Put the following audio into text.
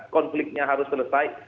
konfliknya harus selesai